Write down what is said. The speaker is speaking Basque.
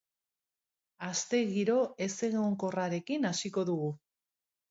Aste giro ezegonkorrarekin hasiko dugu.